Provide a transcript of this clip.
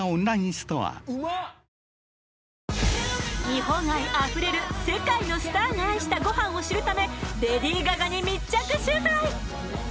日本愛あふれる世界のスターが愛したゴハンを知るためレディー・ガガに密着取材！